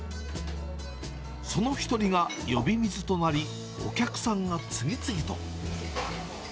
その１人が呼び水となり、お客さんが次々と。